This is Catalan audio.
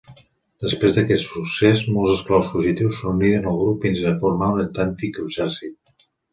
Després d'aquest succés, molts esclaus fugitius s'uniren al grup fins a formar un autèntic exèrcit.